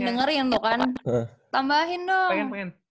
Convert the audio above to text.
dengerin tuh kan tambahin dong